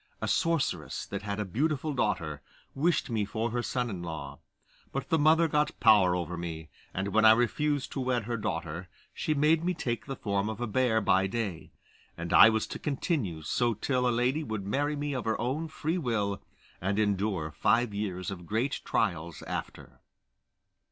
A sorceress, that had a beautiful daughter, wished me for her son in law; but the mother got power over me, and when I refused to wed her daughter she made me take the form of a bear by day, and I was to continue so till a lady would marry me of her own free will, and endure five years of great trials after.